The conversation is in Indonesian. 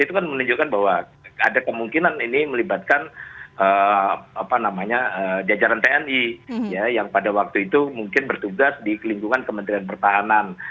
itu kan menunjukkan bahwa ada kemungkinan ini melibatkan jajaran tni yang pada waktu itu mungkin bertugas di lingkungan kementerian pertahanan